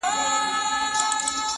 قاضي صاحبه ملامت نه یم بچي وږي وه’